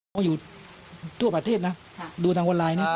เอาอยู่ทั่วประเทศนะดูทางออนไลน์นี่